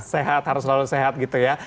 sehat harus selalu sehat gitu ya